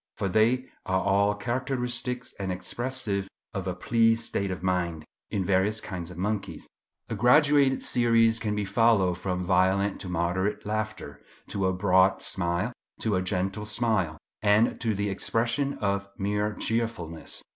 For they are all characteristic and expressive of a pleased state of mind in various kinds of monkeys. A graduated series can be followed from violent to moderate laughter, to a broad smile, to a gentle smile, and to the expression of mere cheerfulness.